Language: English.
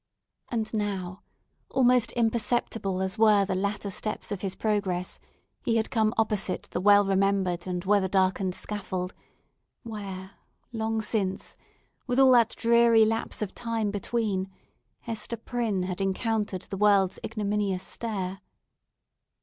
And now, almost imperceptible as were the latter steps of his progress, he had come opposite the well remembered and weather darkened scaffold, where, long since, with all that dreary lapse of time between, Hester Prynne had encountered the world's ignominious stare.